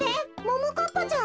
ももかっぱちゃん？